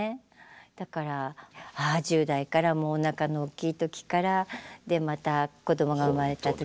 だから１０代からおなかの大きい時からまた子どもが産まれた時からずっと。